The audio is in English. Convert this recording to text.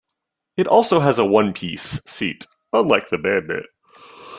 It also has a one-piece seat, unlike the Bandit.